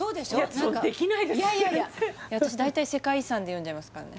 全然私大体世界遺産で読んじゃいますからね